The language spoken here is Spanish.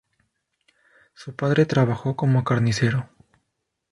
Su padre trabajó como carnicero.